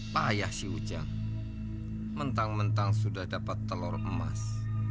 payah si ujang mentang mentang sudah dapat telur emas